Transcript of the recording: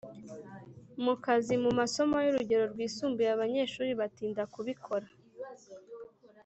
mu kazi Mu masomo y urugero rwisumbuye abanyeshuri batinda kubikora